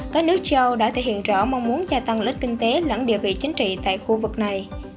các nước châu âu đã thể hiện rõ mong muốn gia tăng lợi ích kinh tế lẫn địa vị chính trị tại khu vực này